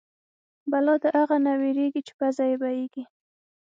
بلا د اغه نه وېرېږي چې پزه يې بيېږي.